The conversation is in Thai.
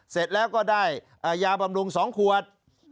เสร็จแล้วก็ได้ยาบำรุง๒ขวด